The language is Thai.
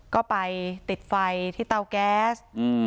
ก็ไปติดไฟที่เตาแก๊ส